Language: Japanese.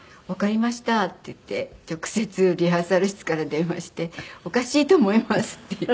「わかりました」って言って直接リハーサル室から電話して「おかしいと思います」って。